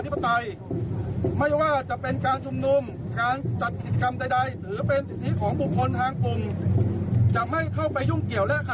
ไม่ว่าจะเป็นการชุมนุมการจัดกิจกรรมใดถือเป็นสิทธิของบุคคลทางกลุ่มจะไม่เข้าไปยุ่งเกี่ยวแล้วค่ะ